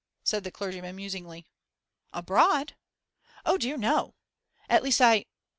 said the clergyman musingly. 'Abroad? Oh dear, no! At least, I